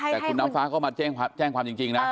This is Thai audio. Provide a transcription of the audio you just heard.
แต่คุณน้ำฟ้าก็มาแจ้งความจริงนะ